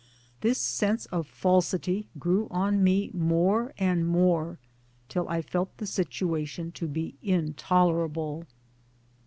This sense of falsity grew on me more and more till I felt the situation to be intolerable.